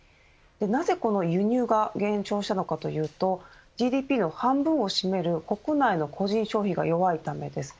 なぜ、この輸入が減少したのかというとＧＤＰの半分を占める国内の個人消費が弱いためです。